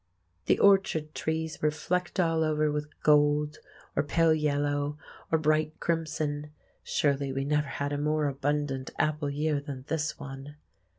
The orchard trees were flecked all over with gold, or pale yellow, or bright crimson—surely we never had a more abundant apple year than this one.